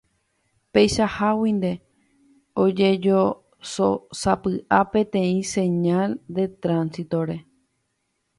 Peichaháguinte ojejosósapy'a peteĩ señal de tránsito-re.